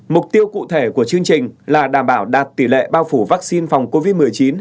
mục tiêu cụ thể của chương trình là đảm bảo đạt tỷ lệ bao phủ vaccine phòng covid một mươi chín